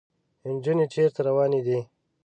انجونې چېرته روانې دي ؟